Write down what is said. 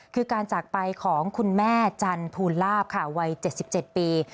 คือการจากไปของคุณแม่จันทูลลาบค่ะวัย๗๗ปี